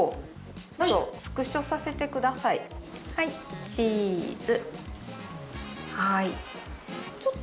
はい、チーズ。